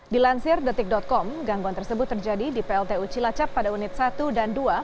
dilansir detik com gangguan tersebut terjadi di pltu cilacap pada unit satu dan dua